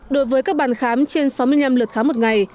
đối với các bàn khám trên sáu mươi năm lượt khám một ngày